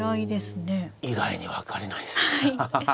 以外に分かんないです。ハハハ。